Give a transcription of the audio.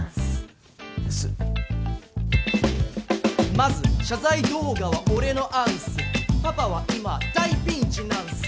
まず謝罪動画は俺の案ッスパパは今大ピンチなんッス